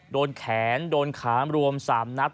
โดนแขนโดนขารวม๓นัด